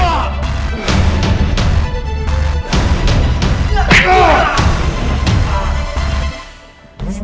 kalian gak akan nyesel